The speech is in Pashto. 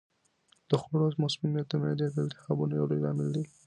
د خوړو مسمومیت د معدې د التهابونو یو لوی لامل دی.